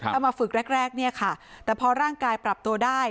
ถ้ามาฝึกแรกเนี่ยค่ะแต่พอร่างกายปรับตัวได้